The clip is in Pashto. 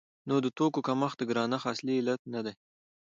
نو د توکو کمښت د ګرانښت اصلي علت نه دی.